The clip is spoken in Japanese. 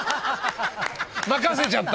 任せちゃった。